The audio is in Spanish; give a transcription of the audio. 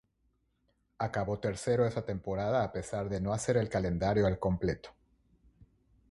Acabó tercero esa temporada a pesar de no hacer el calendario al completo.